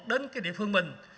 đến cái địa phương mình